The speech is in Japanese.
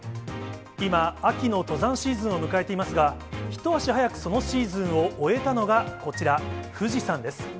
今、秋の登山シーズンを迎えていますが、一足早くそのシーズンを終えたのがこちら、富士山です。